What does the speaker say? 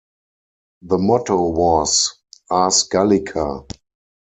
The motto was "Ars gallica".